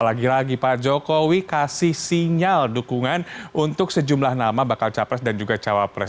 lagi lagi pak jokowi kasih sinyal dukungan untuk sejumlah nama bakal capres dan juga cawapres